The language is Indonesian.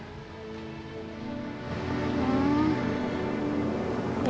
emang ada apa sih sak